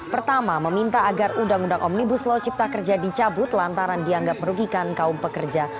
pertama meminta agar undang undang omnibus law cipta kerja dicabut lantaran dianggap merugikan kaum pekerja